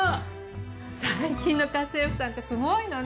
最近の家政婦さんってすごいのね。